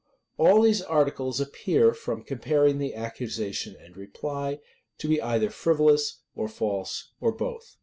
All these articles appear, from comparing the accusation and reply, to be either frivolous or false, or both.